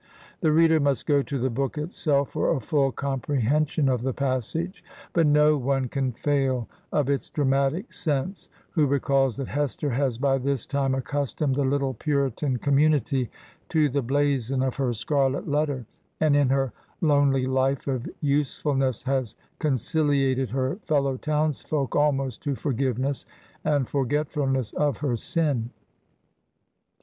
The reader must go to the book itself for a full comprehension of the passage, but no one can fail of its dramatic sense who recalls that Hester has by this time accustomed the httle Puritan com munity to the blazon of her scarlet letter, and in her lonely life of usefulness has conciliated her fellow townsfolk almost to forgiveness and forgetfulness of her sin.